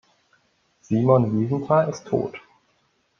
Simon Wiesenthal ist tot.